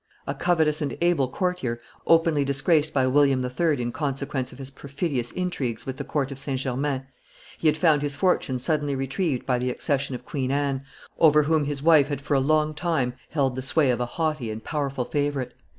A covetous and able courtier, openly disgraced by William III. in consequence of his perfidious intrigues with the court of St. Germain, he had found his fortunes suddenly retrieved by the accession of Queen Anne, over whom his wife had for a long time held the sway of a haughty and powerful favorite.